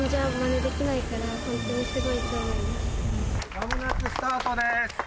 間もなくスタートです。